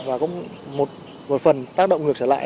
và cũng một phần tác động ngược trở lại